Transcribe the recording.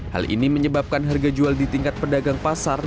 hal ini menyebabkan harga jual di tingkat pedagang pasar